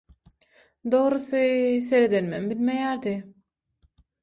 Dogrusy, seredeninem bilmeýärdi.